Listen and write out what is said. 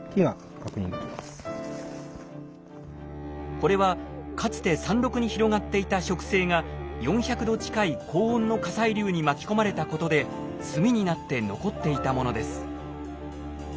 これはかつて山麓に広がっていた植生が４００度近い高温の火砕流に巻き込まれたことで炭になって残っていたものです。